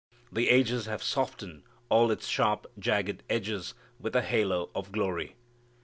The ages have softened all its sharp jagged edges with a halo of glory.